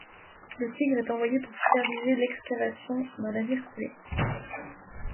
Le Tigre est envoyé pour superviser l'excavation d'un navire coulé.